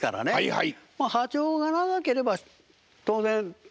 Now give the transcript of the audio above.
はい。